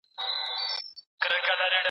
که سياستوال توان ونلري نسي کولای اغېز وکړي.